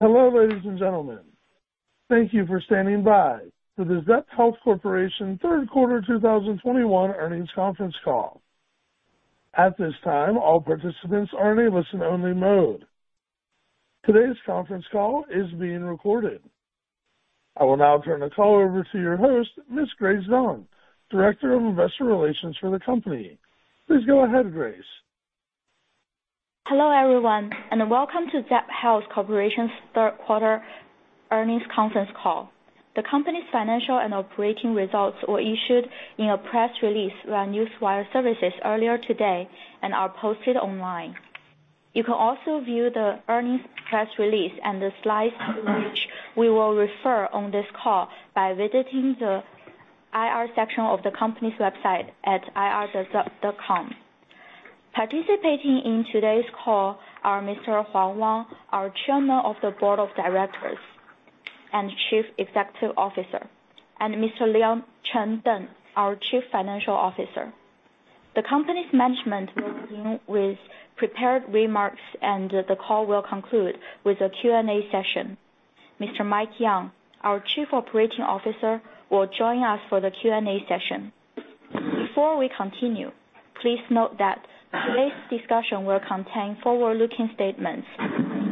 Hello, ladies and gentlemen. Thank you for standing by for the Zepp Health Corporation Third Quarter 2021 Earnings Conference Call. At this time, all participants are in a listen-only mode. Today's conference call is being recorded. I will now turn the call over to your host, Ms. Grace Zhang, Director of Investor Relations for the company. Please go ahead, Grace. Hello, everyone, and welcome to Zepp Health Corporation's Third Quarter Earnings Conference Call. The company's financial and operating results were issued in a press release via Newswire Services earlier today and are posted online. You can also view the earnings press release and the slides to which we will refer on this call by visiting the IR section of the company's website at ir.zepp.com. Participating in today's call are Mr. Wang Huang, our Chairman of the Board of Directors and Chief Executive Officer, and Mr. Leon Cheng Deng, our Chief Financial Officer. The company's management will begin with prepared remarks and the call will conclude with a Q&A session. Mr. Mike Yeung, our Chief Operating Officer, will join us for the Q&A session. Before we continue, please note that today's discussion will contain forward-looking statements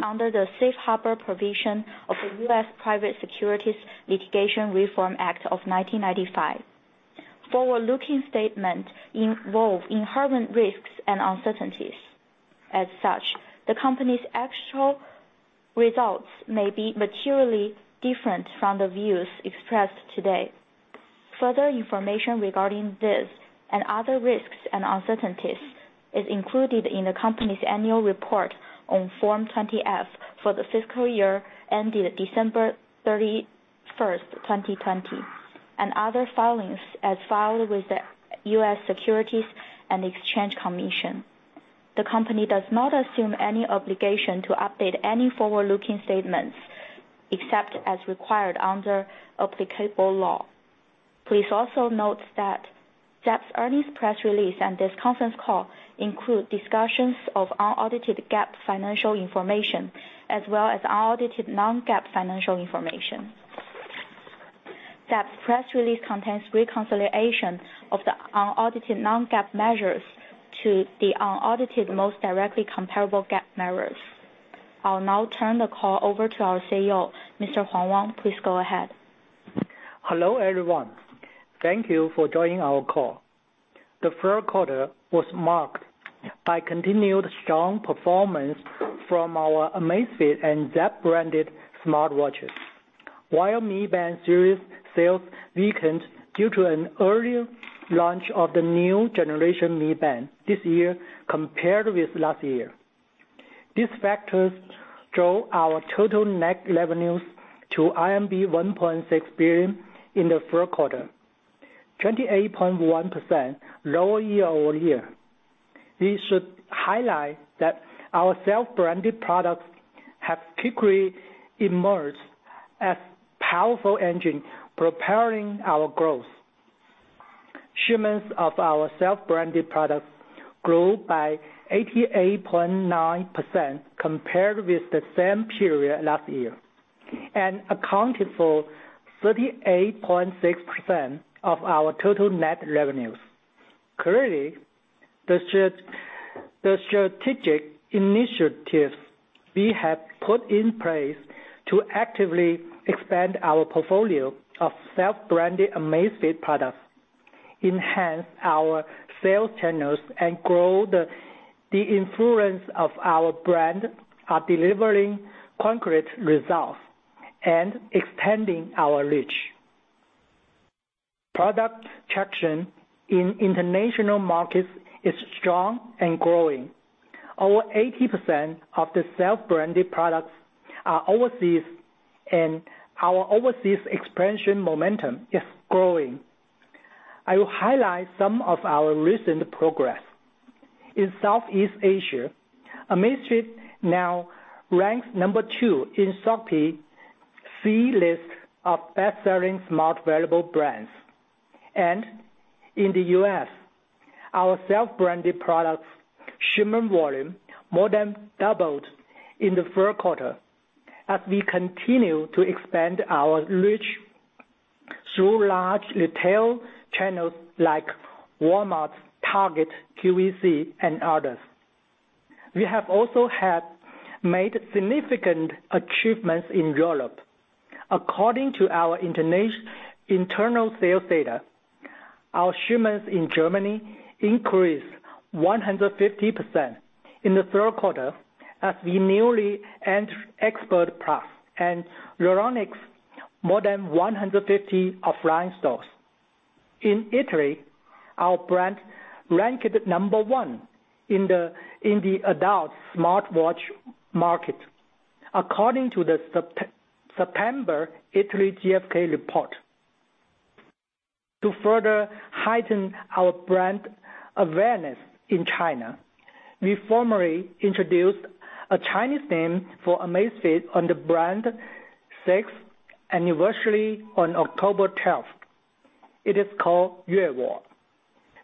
under the safe harbor provision of the U.S. Private Securities Litigation Reform Act of 1995. Forward-looking statements involve inherent risks and uncertainties. As such, the company's actual results may be materially different from the views expressed today. Further information regarding this and other risks and uncertainties is included in the company's annual report on Form 20-F for the fiscal year ending December 31st, 2020, and other filings as filed with the U.S. Securities and Exchange Commission. The company does not assume any obligation to update any forward-looking statements except as required under applicable law. Please also note that Zepp's earnings press release and this conference call include discussions of unaudited GAAP financial information as well as unaudited non-GAAP financial information. Zepp's press release contains reconciliation of the unaudited non-GAAP measures to the unaudited most directly comparable GAAP measures. I'll now turn the call over to our CEO, Mr. Wang Huang, please go ahead. Hello, everyone. Thank you for joining our call. The third quarter was marked by continued strong performance from our Amazfit and Zepp-branded smartwatches, while Mi Band series sales weakened due to an earlier launch of the new generation Mi Band this year compared with last year. These factors drove our total net revenues to 1.6 billion in the third quarter, 28.1% lower year-over-year. We should highlight that our self-branded products have quickly emerged as powerful engine preparing our growth. Shipments of our self-branded products grew by 88.9% compared with the same period last year, and accounted for 38.6% of our total net revenues. Clearly, the strategic initiatives we have put in place to actively expand our portfolio of self-branded Amazfit products, enhance our sales channels, and grow the influence of our brand are delivering concrete results and expanding our reach. Product traction in international markets is strong and growing. Over 80% of the self-branded products are overseas, and our overseas expansion momentum is growing. I will highlight some of our recent progress. In Southeast Asia, Amazfit now ranks number two in Shopee C-list of best-selling smart wearable brands. In the U.S., our self-branded products shipment volume more than doubled in the third quarter as we continue to expand our reach through large retail channels like Walmart, Target, QVC, and others. We have also made significant achievements in Europe. According to our internal sales data, our shipments in Germany increased 150% in the third quarter as we newly entered [ExpertPlus] and Euronics, more than 150 offline stores. In Italy, our brand ranked number one in the adult smartwatch market, according to the September Italy GfK report. To further heighten our brand awareness in China, we formally introduced a Chinese name for Amazfit on the brand sixth anniversary on October 12th. It is called Yuewo,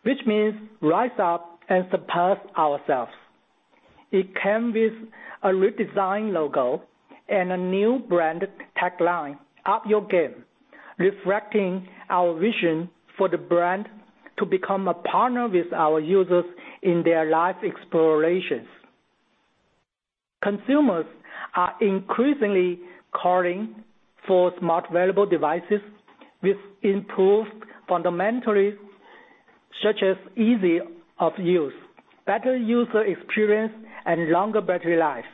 which means rise up and surpass ourselves. It came with a redesigned logo and a new brand tagline, "Up your game", reflecting our vision for the brand to become a partner with our users in their life explorations. Consumers are increasingly calling for smart wearable devices with improved fundamentals, such as ease of use, better user experience, and longer battery life.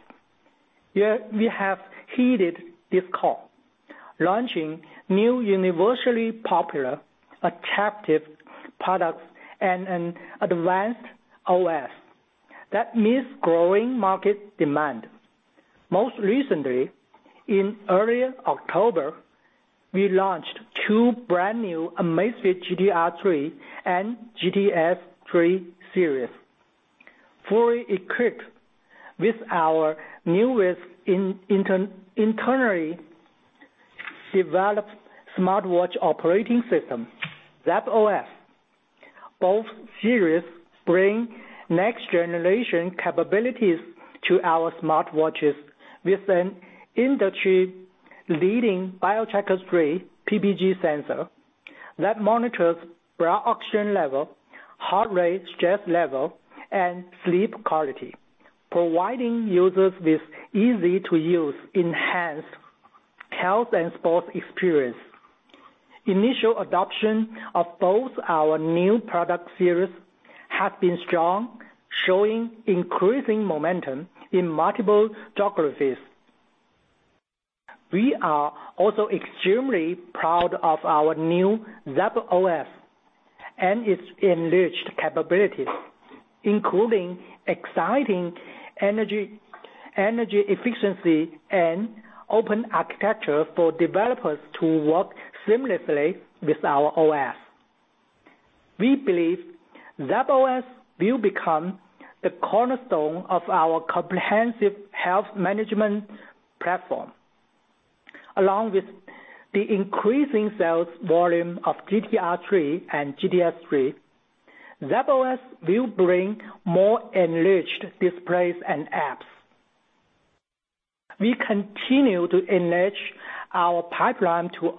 Here we have heeded this call, launching new universally popular, attractive products and an advanced OS. That means growing market demand. Most recently, in early October, we launched two brand new Amazfit GTR 3 and GTS 3 series, fully equipped with our newest internally developed smartwatch operating system, Zepp OS. Both series bring next-generation capabilities to our smartwatches with an industry-leading BioTracker 3 PPG sensor that monitors blood oxygen level, heart rate, stress level, and sleep quality, providing users with easy-to-use enhanced health and sports experience. Initial adoption of both our new product series has been strong, showing increasing momentum in multiple geographies. We are also extremely proud of our new Zepp OS and its enriched capabilities, including exciting energy efficiency and open architecture for developers to work seamlessly with our OS. We believe Zepp OS will become the cornerstone of our comprehensive health management platform, along with the increasing sales volume of GTR 3 and GTS 3. Zepp OS will bring more enriched displays and apps. We continue to enrich our pipeline to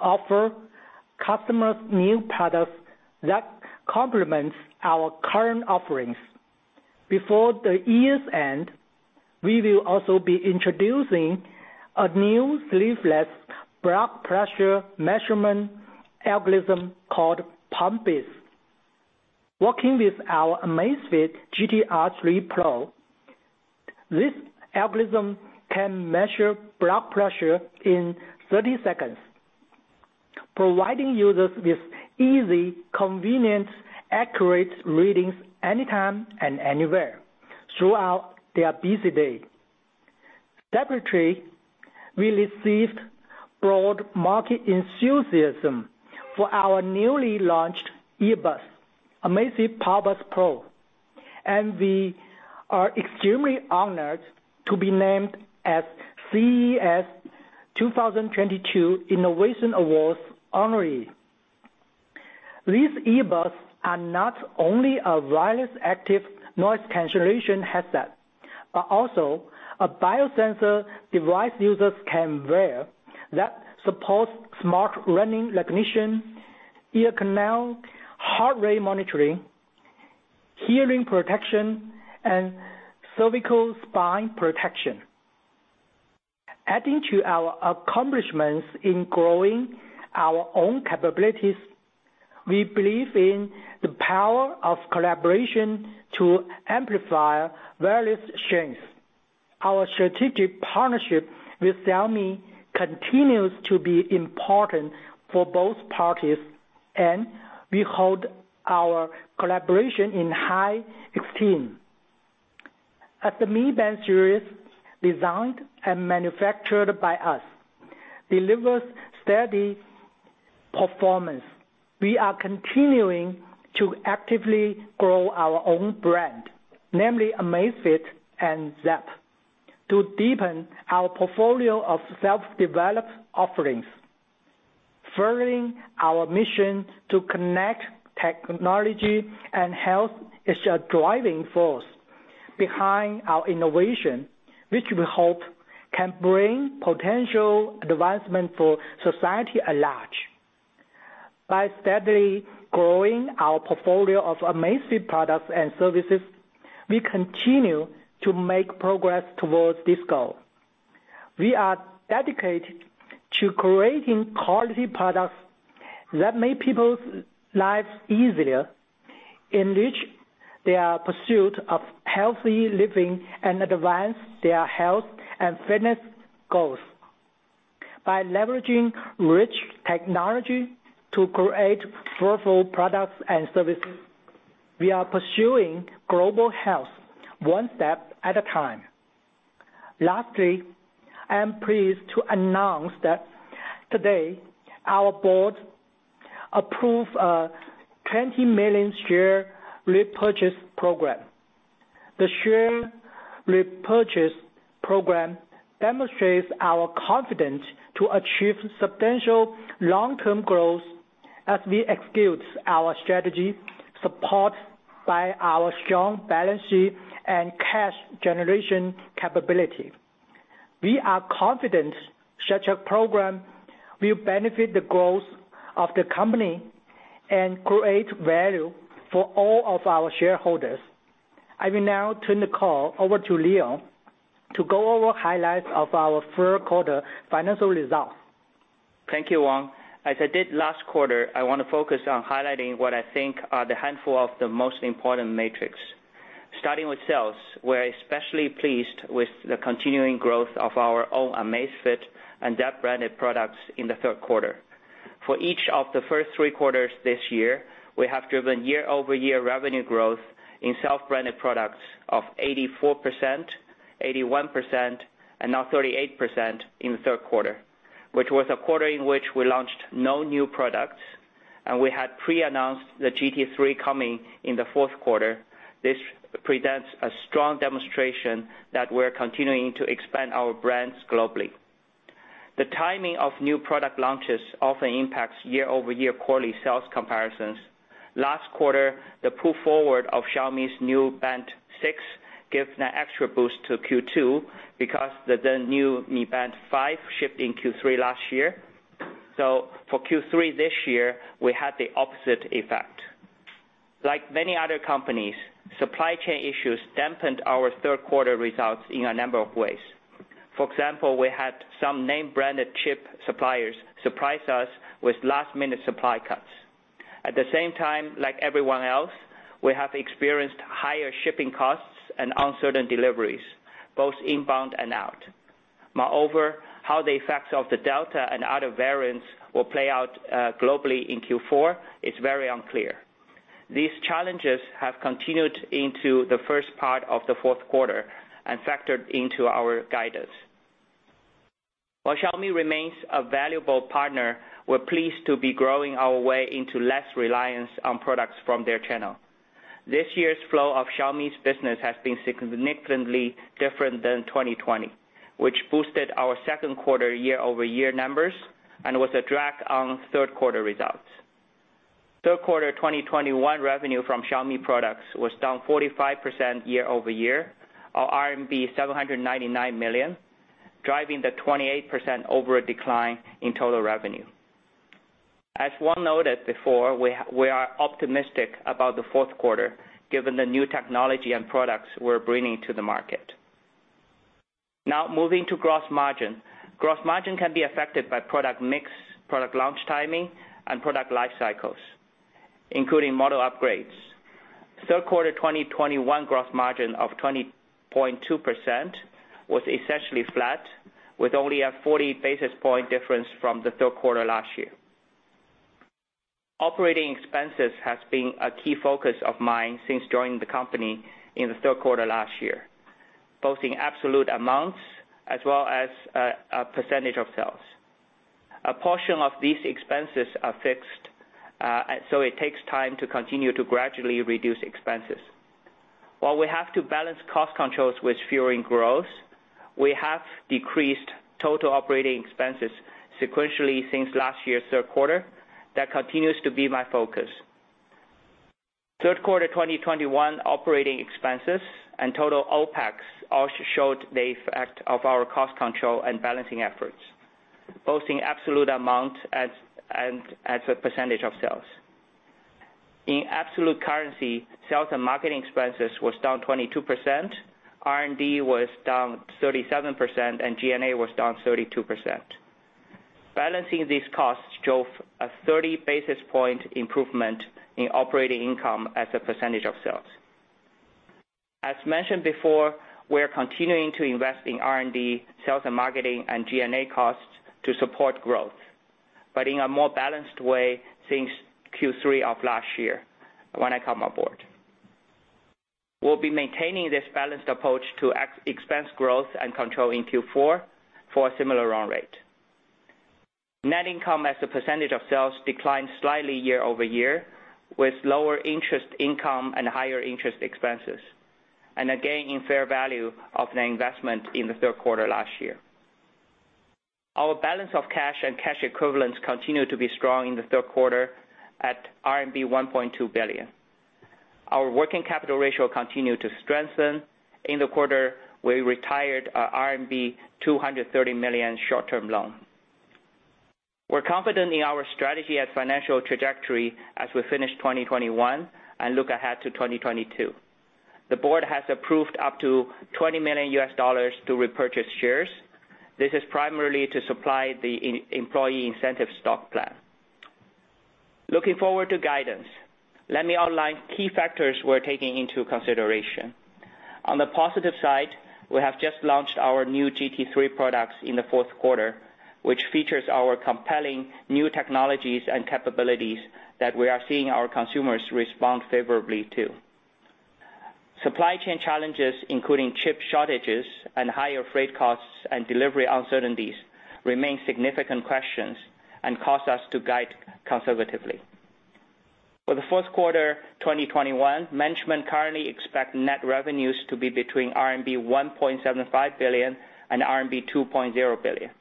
offer customers new products that complements our current offerings. Before the year's end, we will also be introducing a new sleeveless blood pressure measurement algorithm called PumpBeats. Working with our Amazfit GTR 3 Pro, this algorithm can measure blood pressure in 30 seconds, providing users with easy, convenient, accurate readings anytime and anywhere throughout their busy day. Separately, we received broad market enthusiasm for our newly launched earbuds, Amazfit PowerBuds Pro, and we are extremely honored to be named as CES 2022 Innovation Awards honoree. These earbuds are not only a wireless active noise cancellation headset, but also a biosensor device users can wear that supports smart running recognition, ear canal heart rate monitoring, hearing protection, and cervical spine protection. Adding to our accomplishments in growing our own capabilities, we believe in the power of collaboration to amplify various strengths. Our strategic partnership with Xiaomi continues to be important for both parties, and we hold our collaboration in high esteem. As the Mi Band series, designed and manufactured by us, delivers steady performance, we are continuing to actively grow our own brand, namely Amazfit and Zepp, to deepen our portfolio of self-developed offerings. Furthering our mission to connect technology and health is the driving force behind our innovation, which we hope can bring potential advancement for society at large. By steadily growing our portfolio of Amazfit products and services, we continue to make progress towards this goal. We are dedicated to creating quality products that make people's lives easier, enrich their pursuit of healthy living, and advance their health and fitness goals. By leveraging rich technology to create fruitful products and services, we are pursuing global health one step at a time. Lastly, I am pleased to announce that today our board approved a 20 million share repurchase program. The share repurchase program demonstrates our confidence to achieve substantial long-term growth as we execute our strategy, supported by our strong balance sheet and cash generation capability. We are confident such a program will benefit the growth of the company and create value for all of our shareholders. I will now turn the call over to Leon to go over highlights of our third quarter financial results. Thank you, Wang. As I did last quarter, I want to focus on highlighting what I think are the handful of the most important metrics. Starting with sales, we're especially pleased with the continuing growth of our own Amazfit and Zepp-branded products in the third quarter. For each of the first three quarters this year, we have driven year-over-year revenue growth in self-branded products of 84%, 81%, and now 38% in the third quarter, which was a quarter in which we launched no new products, and we had pre-announced the GTS 3 coming in the fourth quarter. This presents a strong demonstration that we're continuing to expand our brands globally. The timing of new product launches often impacts year-over-year quarterly sales comparisons. Last quarter, the pull forward of Xiaomi's new Band 6 gave an extra boost to Q2 because the new Mi Band 5 shipped in Q3 last year. For Q3 this year, we had the opposite effect. Like many other companies, supply chain issues dampened our third quarter results in a number of ways. For example, we had some name-branded chip suppliers surprise us with last-minute supply cuts. At the same time, like everyone else, we have experienced higher shipping costs and uncertain deliveries, both inbound and out. Moreover, how the effects of the Delta and other variants will play out, globally in Q4 is very unclear. These challenges have continued into the first part of the fourth quarter and factored into our guidance. While Xiaomi remains a valuable partner, we're pleased to be growing our way into less reliance on products from their channel. This year's flow of Xiaomi's business has been significantly different than 2020, which boosted our second quarter year-over-year numbers and was a drag on third quarter results. Third quarter 2021 revenue from Xiaomi products was down 45% year-over-year, or RMB 799 million, driving the 28% overall decline in total revenue. As Wang noted before, we are optimistic about the fourth quarter given the new technology and products we're bringing to the market. Now, moving to gross margin. Gross margin can be affected by product mix, product launch timing, and product life cycles, including model upgrades. Third quarter 2021 gross margin of 20.2% was essentially flat, with only a 40 basis points difference from the third quarter last year. Operating expenses has been a key focus of mine since joining the company in the third quarter last year, both in absolute amounts as well as a percentage of sales. A portion of these expenses are fixed, so it takes time to continue to gradually reduce expenses. While we have to balance cost controls with fueling growth, we have decreased total operating expenses sequentially since last year's third quarter. That continues to be my focus. Third quarter 2021 operating expenses and total OpEx also showed the effect of our cost control and balancing efforts, both in absolute amount and as a percentage of sales. In absolute currency, sales and marketing expenses was down 22%, R&D was down 37%, and G&A was down 32%. Balancing these costs drove a 30 basis point improvement in operating income as a percentage of sales. As mentioned before, we are continuing to invest in R&D, sales and marketing, and G&A costs to support growth, but in a more balanced way since Q3 of last year when I come aboard. We'll be maintaining this balanced approach to expense growth and control in Q4 for a similar run rate. Net income as a percentage of sales declined slightly year-over-year, with lower interest income and higher interest expenses, and a gain in fair value of an investment in the third quarter last year. Our balance of cash and cash equivalents continued to be strong in the third quarter at RMB 1.2 billion. Our working capital ratio continued to strengthen. In the quarter, we retired our RMB 230 million short-term loan. We're confident in our strategy and financial trajectory as we finish 2021 and look ahead to 2022. The board has approved up to $20 million to repurchase shares. This is primarily to supply the employee incentive stock plan. Looking forward to guidance, let me outline key factors we're taking into consideration. On the positive side, we have just launched our new GT 3 products in the fourth quarter, which features our compelling new technologies and capabilities that we are seeing our consumers respond favorably to. Supply chain challenges, including chip shortages and higher freight costs and delivery uncertainties, remain significant questions and cause us to guide conservatively. For the fourth quarter 2021, management currently expect net revenues to be between RMB 1.75 billion and RMB 2.0 billion,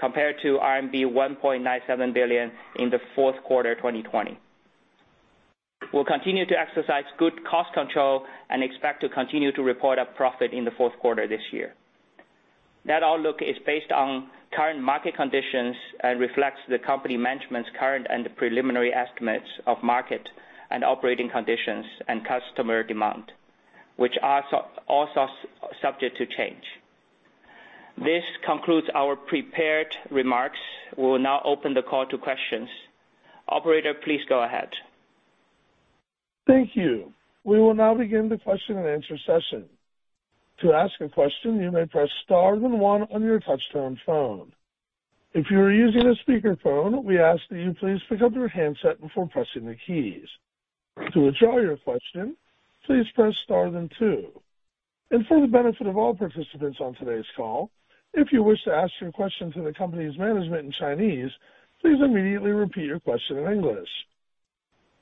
compared to RMB 1.97 billion in the fourth quarter 2020. We'll continue to exercise good cost control and expect to continue to report a profit in the fourth quarter this year. That outlook is based on current market conditions and reflects the company management's current and preliminary estimates of market and operating conditions and customer demand, which are also subject to change. This concludes our prepared remarks. We will now open the call to questions. Operator, please go ahead. Thank you. We will now begin the question and answer session. To ask a question, you may press star then one on your touchtone phone. If you are using a speaker phone, we ask that you please pick up your handset before pressing the keys. To withdraw your question, please press star then two. For the benefit of all participants on today's call, if you wish to ask your question to the company's management in Chinese, please immediately repeat your question in English.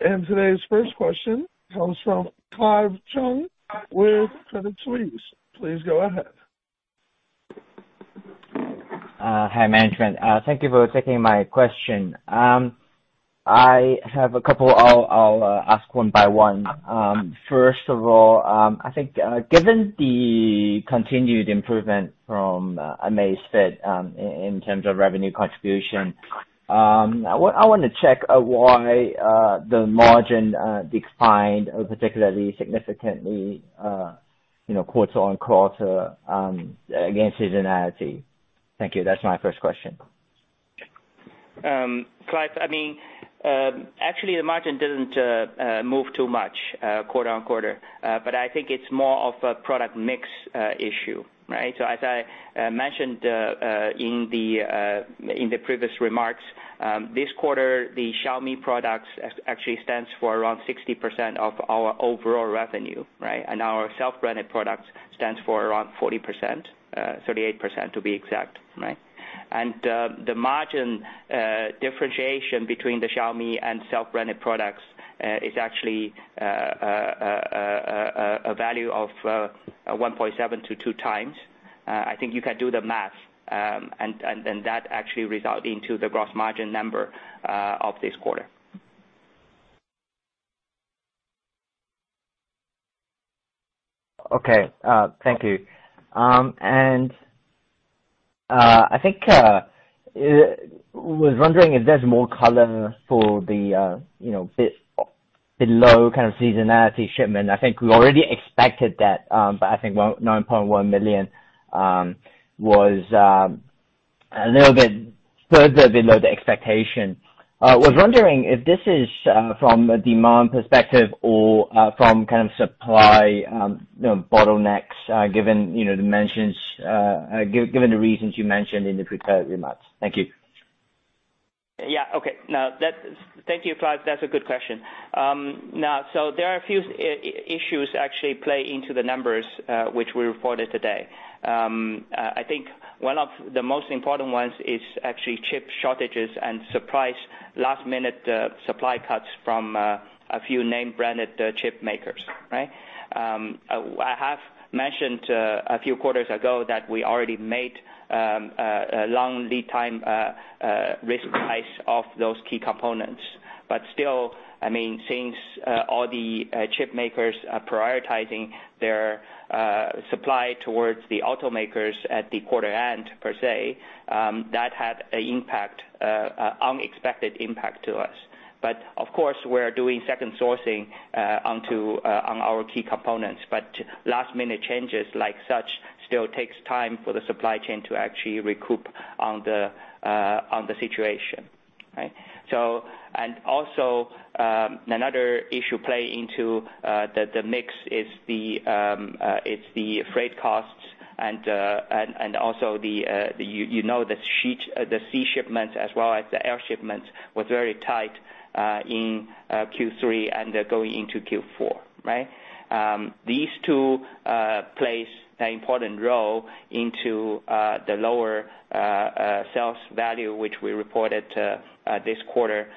Today's first question comes from Clive Cheung with Credit Suisse. Please go ahead. Hi, management. Thank you for taking my question. I have a couple. I'll ask one by one. First of all, I think, given the continued improvement from Amazfit, in terms of revenue contribution, I wanna check why the margin declined particularly significantly, you know, quarter-over-quarter, against seasonality. Thank you. That's my first question. Clive, I mean, actually, the margin didn't move too much quarter-over-quarter. I think it's more of a product mix issue, right? As I mentioned in the previous remarks, this quarter, the Xiaomi products actually stands for around 60% of our overall revenue, right? Our self-branded products stands for around 40%, 38% to be exact, right? The margin differentiation between the Xiaomi and self-branded products is actually a value of 1.7-2x. I think you can do the math. That actually result into the gross margin number of this quarter. Okay. Thank you. I think I was wondering if there's more color for the, you know, bit below kind of seasonality shipment. I think we already expected that, but I think 9.1 million was a little bit further below the expectation. I was wondering if this is from a demand perspective or from kind of supply, you know, bottlenecks, given the reasons you mentioned in the prepared remarks. Thank you. Thank you, Clive. That's a good question. There are a few issues that actually play into the numbers which we reported today. I think one of the most important ones is actually chip shortages and surprise last-minute supply cuts from a few name-branded chip makers, right? I have mentioned a few quarters ago that we already made a long lead time risk purchase of those key components. But still, since all the chip makers are prioritizing their supply towards the automakers at the quarter end per se, that had an unexpected impact to us. But of course, we're doing second sourcing on our key components. Last-minute changes like such still takes time for the supply chain to actually recoup on the situation, right? Another issue plays into the mix is the freight costs and also you know the sea shipments as well as the air shipments was very tight in Q3 and going into Q4, right? These two plays an important role into the lower sales value, which we reported this quarter.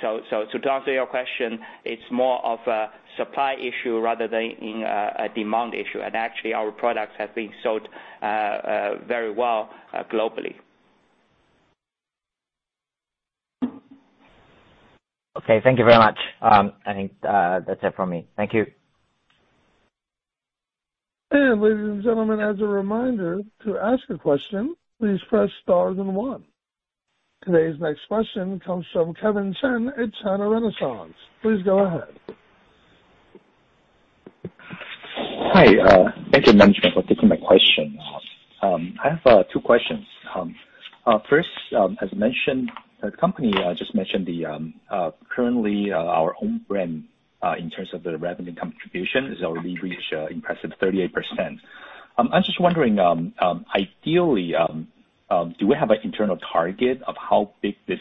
So to answer your question, it's more of a supply issue rather than a demand issue. Actually, our products have been sold very well globally. Okay. Thank you very much. I think that's it from me. Thank you. Ladies and gentlemen, as a reminder, to ask a question, please press star then one. Today's next question comes from Kevin Chen at China Renaissance. Please go ahead. Hi. Thank you, management, for taking my question. I have two questions. First, as mentioned, the company just mentioned that currently our own brand in terms of the revenue contribution has already reached impressive 38%. I'm just wondering, ideally, do we have an internal target of how big this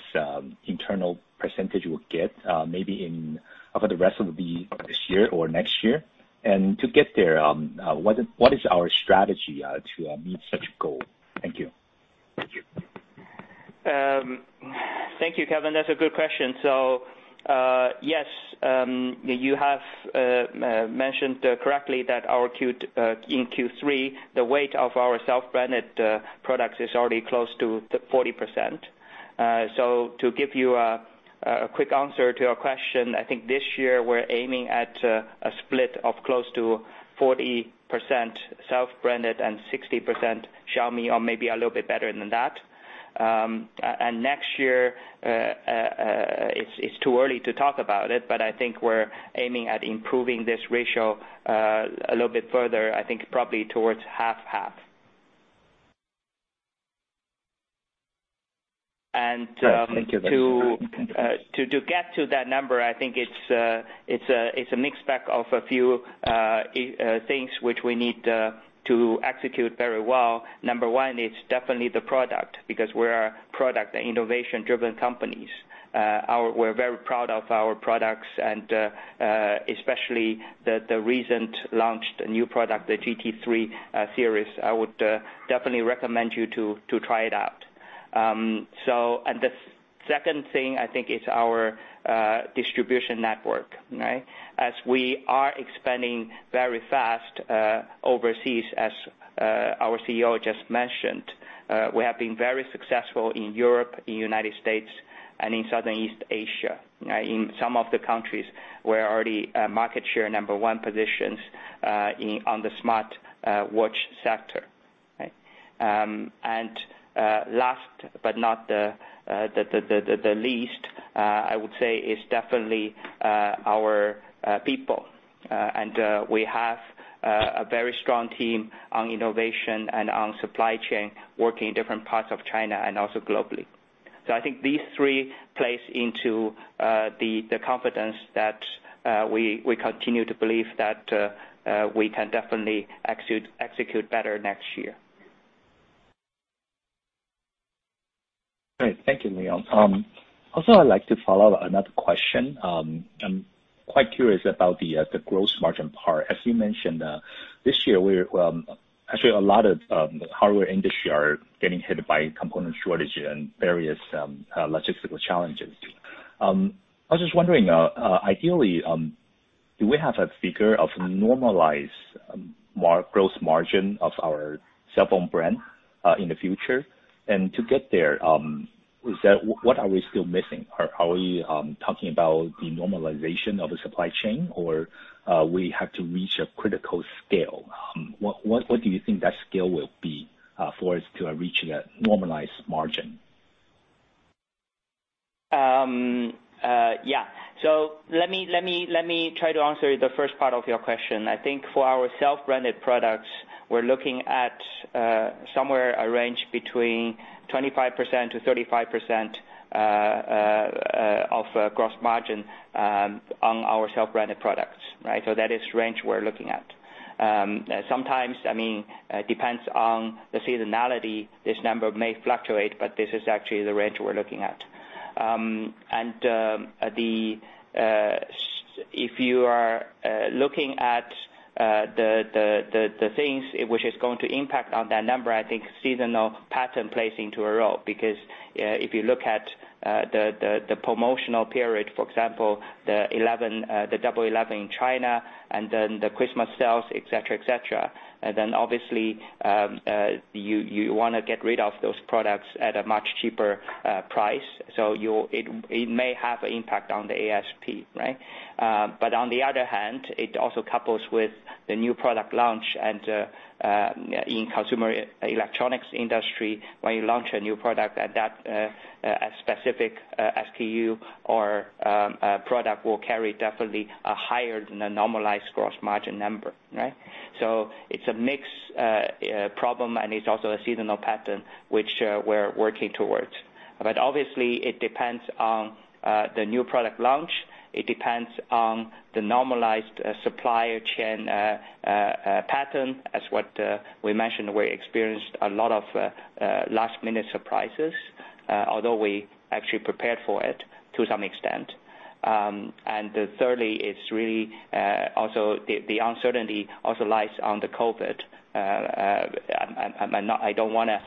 internal percentage will get, maybe for the rest of this year or next year? To get there, what is our strategy to meet such a goal? Thank you. Thank you, Kevin. That's a good question. Yes, you have mentioned correctly that in Q3, the weight of our self-branded products is already close to 40%. To give you a quick answer to your question, I think this year we're aiming at a split of close to 40% self-branded and 60% Xiaomi or maybe a little bit better than that. Next year, it's too early to talk about it, but I think we're aiming at improving this ratio a little bit further, I think probably towards 50/50. Thank you very much. To get to that number, I think it's a mixed bag of a few things which we need to execute very well. Number one, it's definitely the product because we're a product and innovation-driven companies. We're very proud of our products and especially the recent launched new product, the GT 3 series. I would definitely recommend you to try it out. The second thing I think is our distribution network, right? As we are expanding very fast overseas, as our CEO just mentioned, we have been very successful in Europe, in United States, and in Southeast Asia. In some of the countries, we're already market share number one positions on the smartwatch sector, right? Last but not the least, I would say is definitely our people. We have a very strong team on innovation and on supply chain working in different parts of China and also globally. I think these three plays into the confidence that we continue to believe that we can definitely execute better next year. Great. Thank you, Leon. Also, I'd like to follow another question. I'm quite curious about the gross margin part. As you mentioned, this year, actually a lot of hardware industry are getting hit by component shortage and various logistical challenges. I was just wondering, ideally, do we have a figure of normalized gross margin of our cell phone brand in the future? To get there, what are we still missing? Are we talking about the normalization of the supply chain or we have to reach a critical scale? What do you think that scale will be for us to reach a normalized margin? Yeah. Let me try to answer the first part of your question. I think for our self-branded products, we're looking at somewhere a range between 25%-35% of gross margin on our self-branded products, right? That is range we're looking at. Sometimes, I mean, depends on the seasonality, this number may fluctuate, but this is actually the range we're looking at. If you are looking at the things which is going to impact on that number, I think seasonal pattern plays into a role. Because if you look at the promotional period, for example, the Double Eleven in China and then the Christmas sales, et cetera, then obviously you wanna get rid of those products at a much cheaper price. It may have impact on the ASP, right? On the other hand, it also couples with the new product launch and in consumer electronics industry, when you launch a new product at a specific SKU or a product will carry definitely a higher than a normalized gross margin number, right? It's a mix problem, and it's also a seasonal pattern which we're working towards. Obviously, it depends on the new product launch. It depends on the normalized supply chain pattern, as what we mentioned, we experienced a lot of last-minute surprises, although we actually prepared for it to some extent. Thirdly, it's really also the uncertainty lies on the COVID. I don't wanna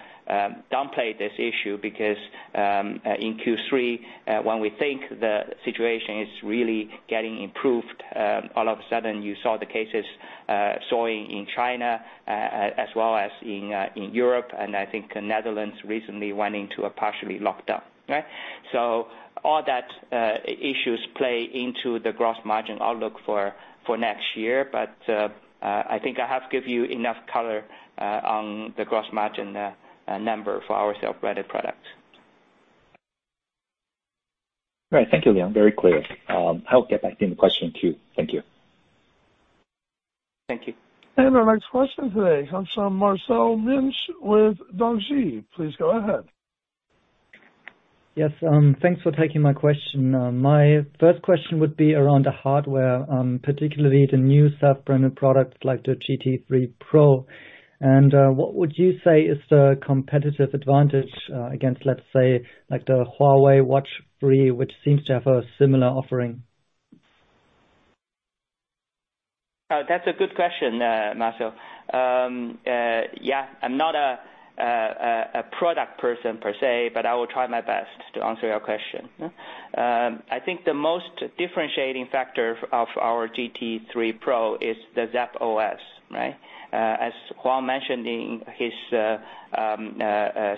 downplay this issue because in Q3, when we think the situation is really getting improved, all of a sudden, you saw the cases soaring in China, as well as in Europe, and I think the Netherlands recently went into a partial lockdown, right? All those issues play into the gross margin outlook for next year. I think I have given you enough color on the gross margin number for our self-branded products. Right. Thank you, Leon. Very clear. I'll get back to you in the question two. Thank you. Thank you. Our next question today comes from Marcel Münch with DŌNGXii. Please go ahead. Yes, thanks for taking my question. My first question would be around the hardware, particularly the new self-branded products like the GT 3 Pro. What would you say is the competitive advantage against, let's say, like the Huawei Watch 3, which seems to have a similar offering? That's a good question, Marcel. I'm not a product person per se, but I will try my best to answer your question. I think the most differentiating factor of our GT 3 Pro is the Zepp OS, right? As Huang mentioned in his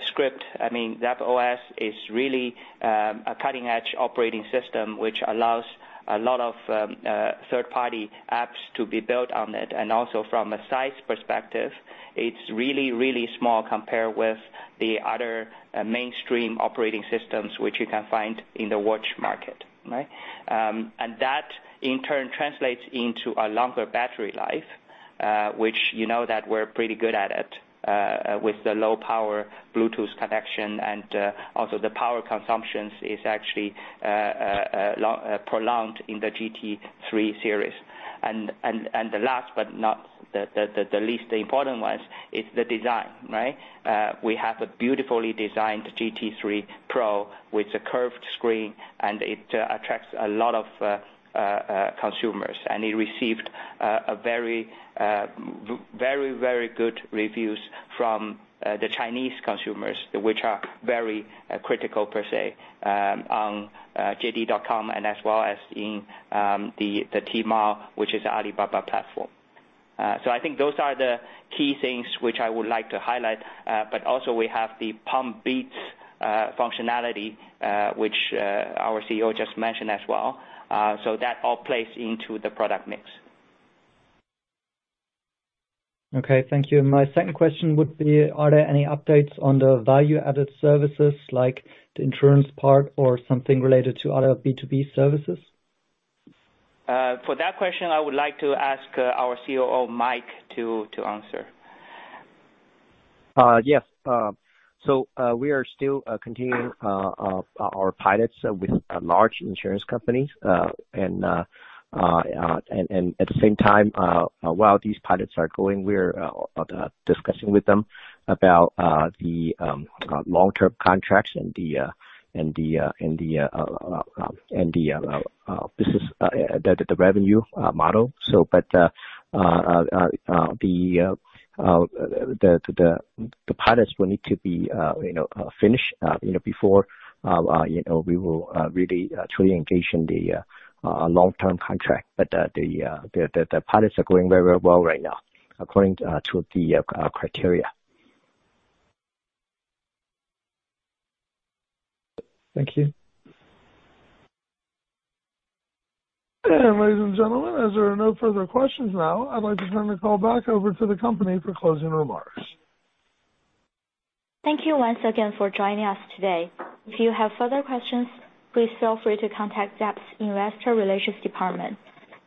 script, I mean, Zepp OS is really a cutting-edge operating system, which allows a lot of third-party apps to be built on it. From a size perspective, it's really, really small compared with the other mainstream operating systems which you can find in the watch market, right? That in turn translates into a longer battery life, which you know that we're pretty good at it, with the low power Bluetooth connection. Also the power consumption is actually prolonged in the GT 3 series. The last but not the least important one is the design, right? We have a beautifully designed GT 3 Pro with a curved screen, and it attracts a lot of consumers. It received very good reviews from the Chinese consumers, which are very critical per se, on jd.com and as well as in the Tmall, which is Alibaba platform. I think those are the key things which I would like to highlight. Also we have the PumpBeats functionality, which our CEO just mentioned as well. That all plays into the product mix. Okay. Thank you. My second question would be, are there any updates on the value-added services like the insurance part or something related to other B2B services? For that question, I would like to ask our COO, Mike, to answer. Yes. We are still continuing our pilots with large insurance companies. At the same time, while these pilots are going, we're discussing with them about the long-term contracts and the business revenue model. The pilots will need to be finished, you know, before we will really truly engage in the long-term contract. The pilots are going very, very well right now according to the criteria. Thank you. Ladies and gentlemen, as there are no further questions now, I'd like to turn the call back over to the company for closing remarks. Thank you once again for joining us today. If you have further questions, please feel free to contact Zepp's investor relations department.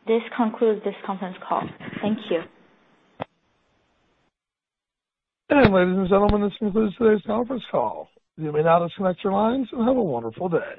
This concludes this conference call. Thank you. Ladies and gentlemen, this concludes today's conference call. You may now disconnect your lines, and have a wonderful day.